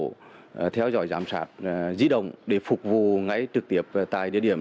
một tổ theo dõi giảm sát di động để phục vụ ngay trực tiếp tại địa điểm